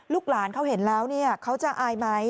ลูกหลานเขาเห็นแล้วเนี่ยเขาจะอายไหม